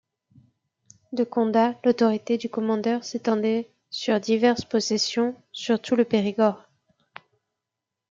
De Condat, l'autorité du commandeur s'étendait sur diverses possessions sur tout le Périgord.